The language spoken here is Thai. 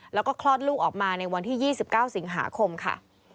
แล้วก็คลอดลูกออกมาในวันที่๒๙สิงหาคมค่ะ